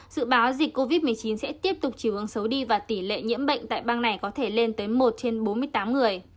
dự báo dịch covid một mươi chín sẽ tiếp tục chiều hướng xấu đi và tỷ lệ nhiễm bệnh tại bang này có thể lên tới một trên bốn mươi tám người